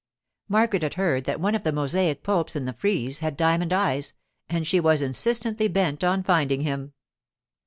Margaret had heard that one of the mosaic popes in the frieze had diamond eyes, and she was insistently bent on finding him.